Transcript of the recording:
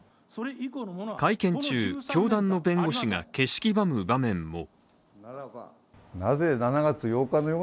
会見中、教団の弁護士が気色ばむ場面も。